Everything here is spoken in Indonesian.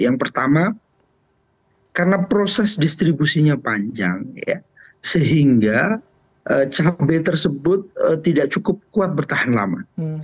yang pertama karena proses distribusinya panjang sehingga cabai tersebut tidak cukup kuat bertahan lama